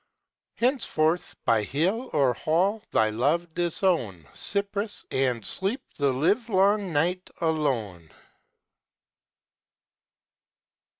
Henceforth, by hill or hall, thy love disown, Cypris, and sleep the livelong night alone.